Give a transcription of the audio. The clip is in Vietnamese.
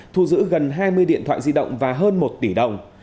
thu giữ gần hai mươi điện thoại di động và hơn một tỷ đồng